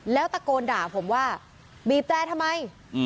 แล้วตะโกนด่าผมว่าบีบแตรทำไม